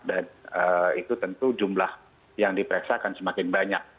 dan itu tentu jumlah yang diperiksakan semakin banyak